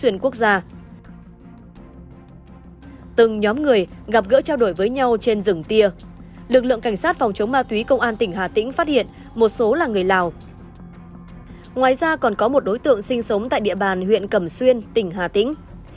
ngoài ra còn có một đối tượng sinh sống tại địa bàn huyện cầm xuyên tỉnh hà tĩnh